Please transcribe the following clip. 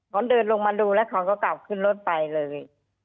เขาเดินลงมาดูแล้วเขาก็กลับขึ้นรถไปเลย